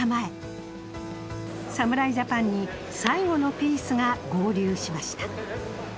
侍ジャパンに最後のピースが合流しました。